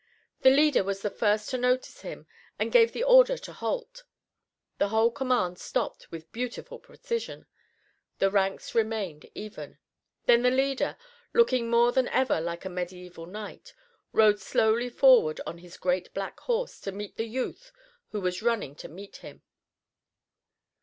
The leader was the first to notice him and gave the order to halt. The whole command stopped with beautiful precision, the ranks remaining even. Then the leader, looking more than ever like a mediaeval knight, rode slowly forward on his great black horse to meet the youth who was running to meet him.